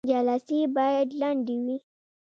جلسې باید لنډې وي